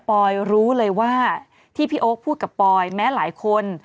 อยรู้เลยว่าที่พี่โอ๊คพูดกับปอยแม้หลายคน